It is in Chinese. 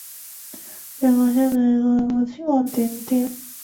光假奓包叶为大戟科假奓包叶属下的一个种。